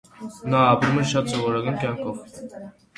Նա ապրում է շատ սովորական կյանքով։